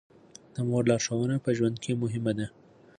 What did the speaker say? د مور لارښوونه په ژوند کې مهمه ده.